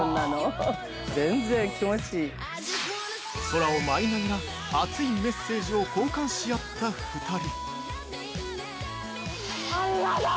◆空を舞いながら、熱いメッセージを交換し合った２人。